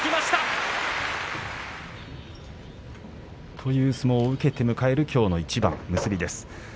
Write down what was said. という相撲を受けて迎えるきょうの一番、結びです。